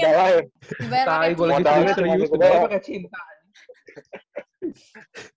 bayangin gue lagi serius gue bayarnya pakai cinta